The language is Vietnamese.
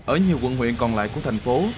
ở nhiều quận huyện còn lại của thành phố